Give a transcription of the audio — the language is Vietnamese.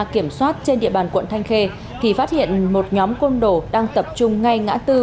kiểm soát trên địa bàn quận thanh khê thì phát hiện một nhóm côn đồ đang tập trung ngay ngã tư